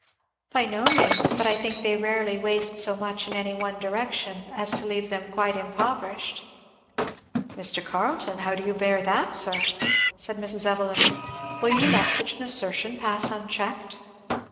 "By no means! but I think they rarely waste so much in any one direction as to leave them quite impoverished." "Mr. Carleton, how do you bear that, sir?" said Mrs. Evelyn. "Will you let such an assertion pass unchecked?"